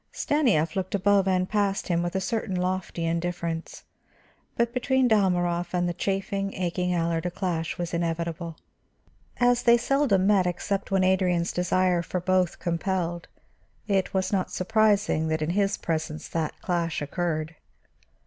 Stanief looked above and past him with a certain lofty indifference, but between Dalmorov and the chafing, aching Allard a clash was inevitable. As they seldom met except when Adrian's desire for both compelled, it was not surprising that in his presence that clash occurred.